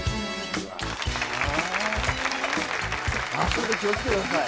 足元気を付けてください。